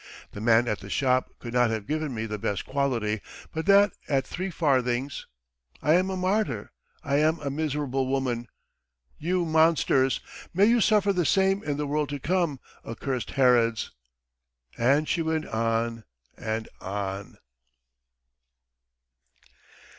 "The man at the shop could not have given me the best quality, but that at three farthings. I am a martyr, I am a miserable woman. You monsters! May you suffer the same, in the world to come, accursed Herods. ..." And she went on and on.